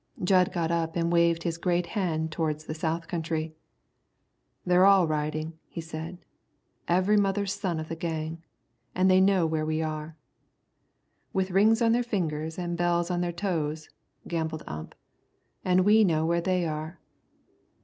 Jud got up and waved his great hand towards the south country. "They're all ridin'," he said, "every mother's son of the gang. An' they know where we are." "With rings on their fingers, an' bells on their toes," gabbled Ump; "an' we know where they are."